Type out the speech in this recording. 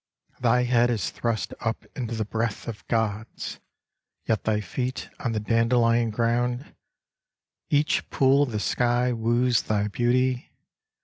Thy head is thrust up into the breath of gods, Yet thy feet on the dandelion ground ; Each pool of the sky woos thy beauty.